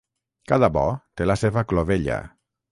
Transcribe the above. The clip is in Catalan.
Cada bo té la seva clovella.